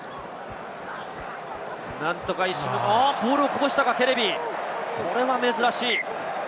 おっとボールをこぼしたか、ケレビ、これは珍しい。